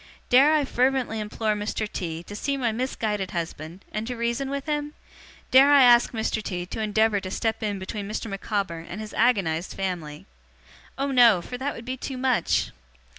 Dare I fervently implore Mr. T. to see my misguided husband, and to reason with him? Dare I ask Mr. T. to endeavour to step in between Mr. Micawber and his agonized family? Oh no, for that would be too much!